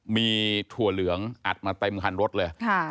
มีถั่วเหลืองอัดมาเต็มคันรถเลย